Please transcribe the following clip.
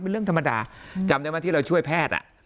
เป็นเรื่องธรรมดาจำได้ไหมที่เราช่วยแพทย์